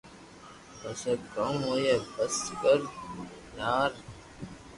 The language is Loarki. پسي ڪاوُ ھوئي بس ڪر ٽار